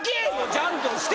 ちゃんとして！